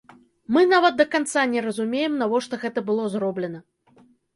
Мы нават да канца не разумеем, навошта гэта было зроблена.